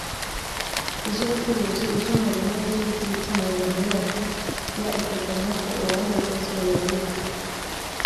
iz ubucuruzi iz umurimo n iz ubutegetsi mu ngingo yaryo ya iteganya ko urubanza rwose ruregewe